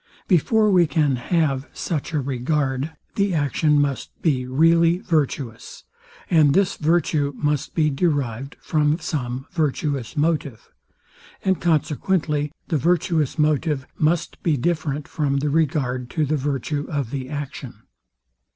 Before we can have such a regard, the action must be really virtuous; and this virtue must be derived from some virtuous motive: And consequently the virtuous motive must be different from the regard to the virtue of the action.